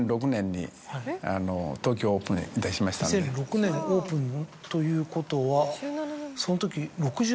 ２００６年オープンということはその時。